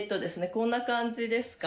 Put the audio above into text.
こんな感じですかね。